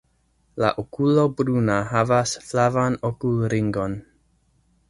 La okulo bruna havas flavan okulringon.